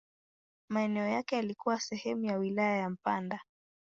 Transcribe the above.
Maeneo yake yalikuwa sehemu ya wilaya ya Mpanda.